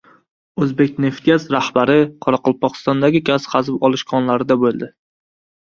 «O‘zbekneftgaz» rahbari Qoraqalpog‘istondagi gaz qazib olish konlarida bo‘ldi